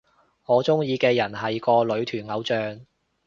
我鍾意嘅人係個女團偶像